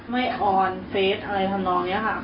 ไม่ออนเฟสอะไรทำลองอย่างนี้ค่ะ